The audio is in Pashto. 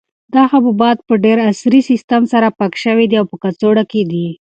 دا حبوبات په ډېر عصري سیسټم سره پاک شوي او په کڅوړو کې دي.